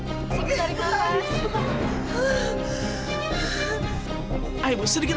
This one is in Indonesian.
sekedar kemarin ibu mau ke tempat